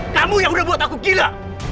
kamu yang udah buat aku gila